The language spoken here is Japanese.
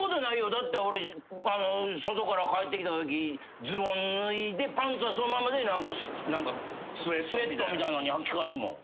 だって俺外から帰ってきたときズボン脱いでパンツはそのままでスエットみたいなのにはき替えるもん。